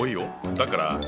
だから。